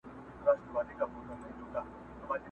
o اسان ئې نالول، چنگوښو هم پښې پورته کړې!